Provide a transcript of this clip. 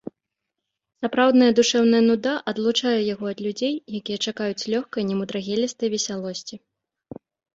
Сапраўдная душэўная нуда адлучае яго ад людзей, якія чакаюць лёгкай, немудрагелістай весялосці.